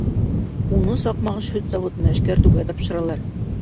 Уны Саҡмағош һөт заводына эшкәртеүгә тапшыралар.